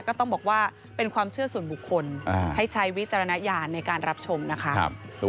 ก็ต้องบอกว่าเป็นความเชื่อส่วนบุคคลให้ใช้วิจารณญาณในการรับชมนะคะ